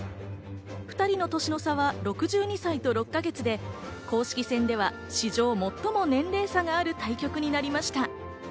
２人の年の差は６２歳と６か月で、公式戦では史上最も年齢差がある対局になりました。